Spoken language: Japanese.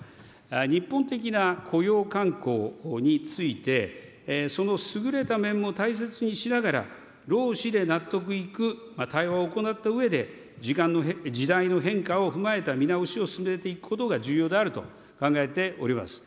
日本的な雇用慣行について、その優れた面も大切にしながら、労使で納得いく対話を行ったうえで、時代の変化を踏まえた見直しを進めていくことが重要であると考えております。